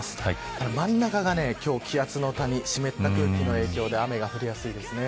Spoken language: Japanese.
ただ真ん中が気圧の湿った空気の影響で雨が降りやすいですね。